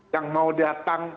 yang mau datang